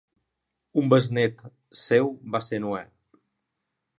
Un besnét seu va ser Noè.